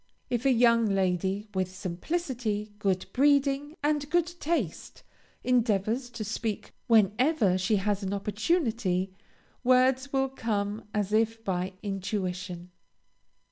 If a young lady, with simplicity, good breeding, and good taste, endeavors to speak whenever she has an opportunity, words will come as if by intuition.